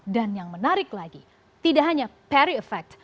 dan yang menarik lagi tidak hanya peri efek